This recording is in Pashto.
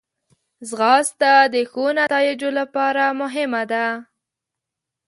ځغاسته د ښو نتایجو لپاره مهمه ده